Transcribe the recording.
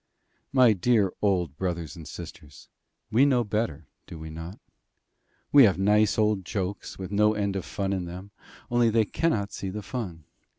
My dear old brothers and sisters, we know better, do we not? We have nice old jokes, with no end of fun in them; only they cannot see the fun.